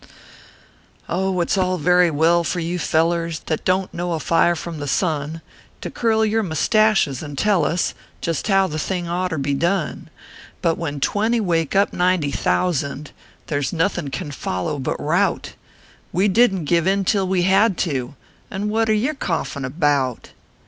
Ob, it s all very well for you fellers That don t know a fire from the sun, To curl your moustaches, and tell us Just how the thing oughter be done ; But when twenty wake up ninety thousand, There s nothin can follow but rout ; We didn t give in till we had to; And what are yer coughin about